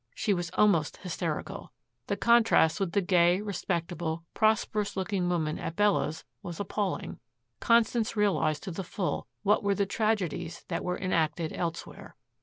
She was almost hysterical. The contrast with the gay, respectable, prosperous looking woman at Bella's was appalling. Constance realized to the full what were the tragedies that were enacted elsewhere.